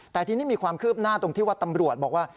แต่ทีนี้มีความคืบหน้าตรงที่ว่าตำรวจบอกว่า